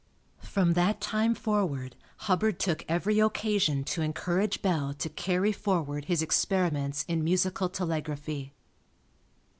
From that time forward Hubbard took every occasion to encourage Bell to carry forward his experiments in musical telegraphy.